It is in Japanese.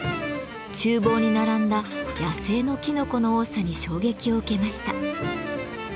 厨房に並んだ野生のきのこの多さに衝撃を受けました。